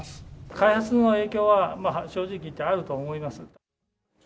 開発の影響は正直言ってあると思います。